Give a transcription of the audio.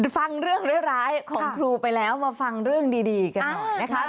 ฟังเรื่องร้ายของครูไปแล้วมาฟังเรื่องดีกันหน่อยนะคะ